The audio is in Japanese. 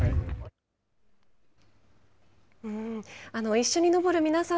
一緒に登る皆さん